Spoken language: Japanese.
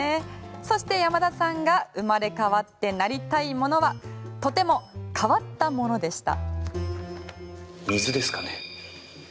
そして山田さんが生まれ変わってなりたいものはとても変わったものでした。